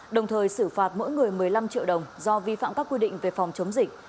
đồng thời xử phạt mỗi người một mươi năm triệu đồng do vi phạm các quy định về phòng chống dịch